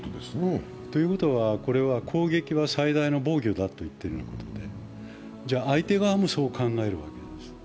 ということは、攻撃は最大の防御だと言っているわけで、相手側もそう考えるわけです。